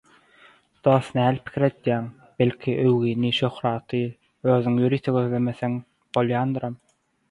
Dost, nähili pikir edýäň, belki öwgini, şöhraty özüň ýörite gözlemeseň bolýandyram.